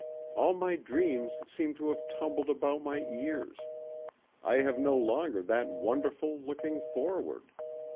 All my dreams seem to have tumbled about my ears. I have no longer that wonderful looking forward.